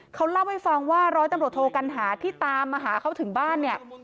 เขาเล่าให้ฟังว่าร้อยตำรวจโทกัณหาที่ตามมาหาเขาถึงบ้านเนี่ย